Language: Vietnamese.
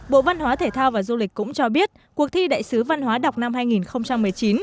bộ văn hóa thể thao và du lịch cũng cho biết cuộc thi đại sứ văn hóa đọc năm hai nghìn một mươi chín